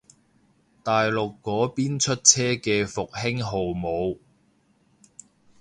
大陸嗰邊出車嘅復興號冇